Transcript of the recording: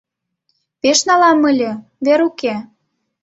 Пеш налам ыле — вер уке.